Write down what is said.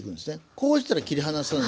こうしたら切り離せない。